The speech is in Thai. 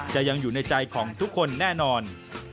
ยังอยู่ในใจของทุกคนแน่นอน